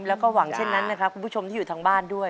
แล้วก็หวังเช่นนั้นนะครับคุณผู้ชมที่อยู่ทางบ้านด้วย